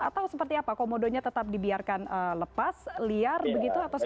atau seperti apa komodonya tetap dibiarkan lepas liar begitu atau seperti apa